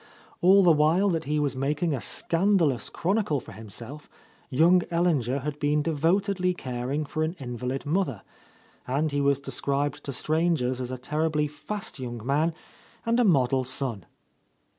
All the while that he was making a scandalous chronicle for himself, young Ellinger had been devotedly caring for an invalid mother, and he was described to strangers as a terribly fast young man and a model son.